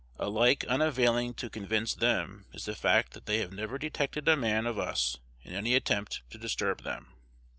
Alike unavailing to convince them is the fact that they have never detected a man of us in any attempt to disturb them.